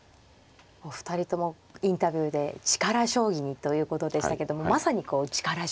お二人ともインタビューで力将棋にということでしたけどもまさにこう力将棋というような。